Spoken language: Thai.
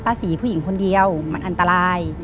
สีผู้หญิงคนเดียวมันอันตราย